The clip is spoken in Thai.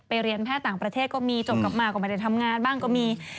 เรียนแพทย์ต่างประเทศก็มีจบกลับมาก็ไม่ได้ทำงานบ้างก็มี